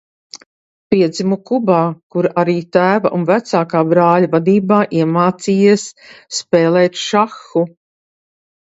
Piedzimis Kubā, kur arī tēva un vecākā brāļa vadībā iemācījies spēlēt šahu.